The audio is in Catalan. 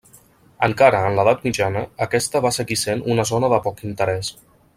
Encara en l'edat mitjana, aquesta va seguir sent una zona de poc interès.